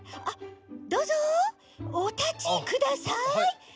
あどうぞおたちください。